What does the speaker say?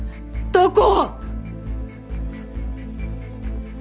どこ！？